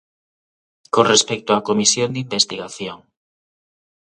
Con respecto á comisión de investigación.